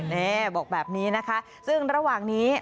นี่บอกแบบนี้นะคะซึ่งระหว่างนี้